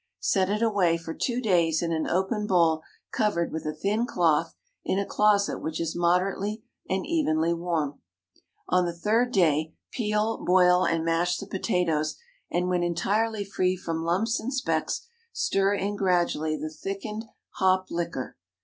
Set it away for two days in an open bowl covered with a thin cloth, in a closet which is moderately and evenly warm. On the third day peel, boil, and mash the potatoes, and when entirely free from lumps and specks, stir in gradually the thickened hop liquor.